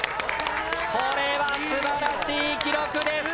これはすばらしい記録です。